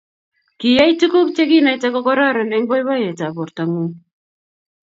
Kiyai tuguk cheginaite kogororon eng boiboiyetab bortangung